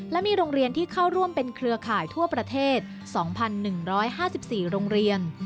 และมีโรงเรียนที่เข้าร่วมเป็นเครือข่ายทั่วประเทศ๒๑๕๔โรงเรียน